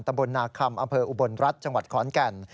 ตำบลนาคำอำเภออุบลรัฐจังหวัดขอนแก่น